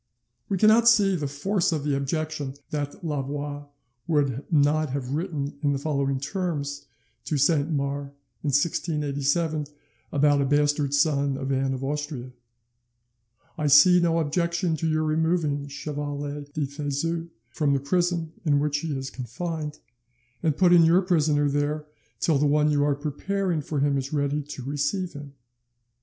We cannot see the force of the objection that Louvois would not have written in the following terms to Saint Mars in 1687 about a bastard son of Anne of Austria: "I see no objection to your removing Chevalier de Thezut from the prison in which he is confined, and putting your prisoner there till the one you are preparing for him is ready to receive him."